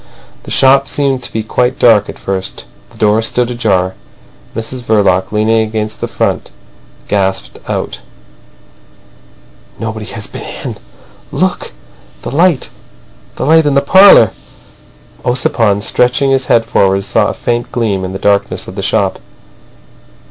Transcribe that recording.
The shop seemed to be quite dark at first. The door stood ajar. Mrs Verloc, leaning against the front, gasped out: "Nobody has been in. Look! The light—the light in the parlour." Ossipon, stretching his head forward, saw a faint gleam in the darkness of the shop.